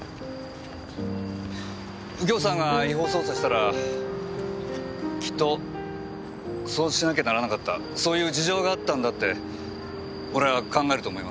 右京さんが違法捜査したらきっとそうしなきゃならなかったそういう事情があったんだって俺は考えると思います。